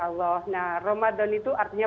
allah nah ramadan itu artinya